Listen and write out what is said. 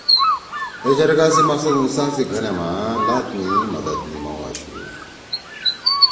اے جرگہ سی مقصد ہندوستان سی گھنے ما لات می مدد نیِمؤ آشُو